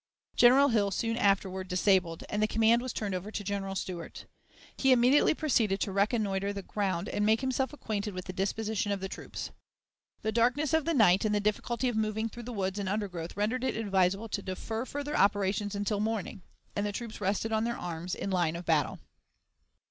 General Hill was soon afterward disabled, and the command was turned over to General Stuart. He immediately proceeded to reconnoiter the ground and make himself acquainted with the disposition of the troops. The darkness of the night and the difficulty of moving through the woods and undergrowth rendered it advisable to defer further operations until morning, and the troops rested on their arms in line of battle.